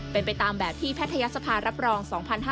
เป็นไปตามแบบที่แพทยศภารับรอง๒๕๕๙